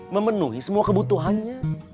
memenuhi semua kebutuhannya